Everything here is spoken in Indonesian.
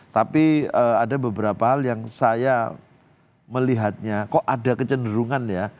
tapi ada beberapa hal yang saya melihatnya kok ada kecenderungan ya